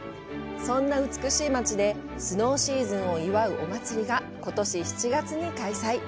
そんな美しい街で、スノーシーズンを祝うお祭りがことし７月に開催。